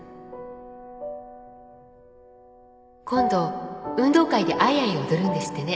今度運動会で『アイアイ』踊るんですってね